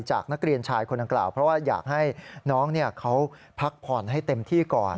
จากนักเรียนชายคนดังกล่าวเพราะว่าอยากให้น้องเขาพักผ่อนให้เต็มที่ก่อน